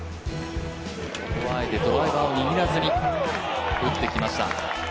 ここはあえてドライバーを握らずに打ってきました。